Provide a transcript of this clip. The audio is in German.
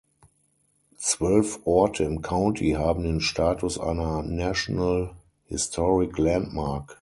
Zwölf Orte im County haben den Status einer National Historic Landmark.